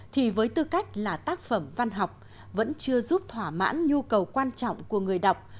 thì với tư cách là tác phẩm văn học vẫn chưa giúp thỏa mãn nhu cầu quan trọng của người đọc